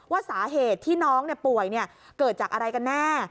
ว่าสาเหตุที่น้องป่วยเกิดจากอะไรกันแน่